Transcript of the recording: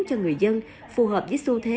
cho người dân phù hợp với xu thế